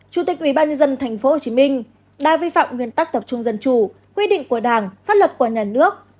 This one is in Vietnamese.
chủ tịch ubnd tp hcm đã vi phạm nguyên tắc tập trung dân chủ quy định của đảng pháp luật của nhà nước